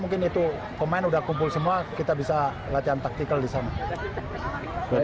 mungkin itu pemain udah kumpul semua kita bisa latihan taktikal di sana